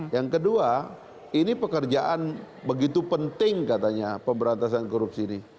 yang kedua ini pekerjaan begitu penting katanya pemberantasan korupsi ini